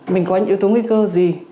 mình có những yếu tố nguy cơ gì